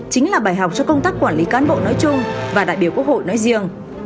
chính là bài học cho công tác quản lý cán bộ nói chung và đại biểu quốc hội nói riêng